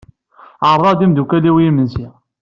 Ɛerḍeɣ-d imdukal-iw i imensi.